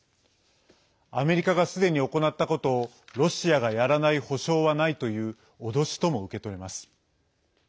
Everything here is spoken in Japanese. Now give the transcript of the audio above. アメリカが、すでに行ったことをロシアがやらない保証はないという脅しとも受け取れます。